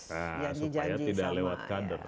jadi jadi sama supaya tidak lewat kader